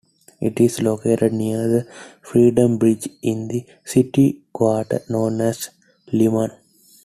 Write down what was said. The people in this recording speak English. It is located near the Freedom Bridge, in the city quarter known as Liman.